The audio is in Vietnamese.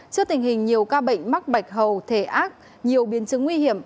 trước tình hình nhiều ca bệnh mắc bạch hầu thể ác nhiều biến chứng nguy hiểm